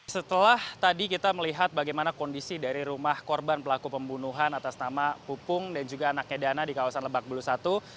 setelah tadi kita melihat bagaimana kondisi dari rumah korban pelaku pembunuhan atas nama pupung dan juga anaknya dana di kawasan lebak bulus satu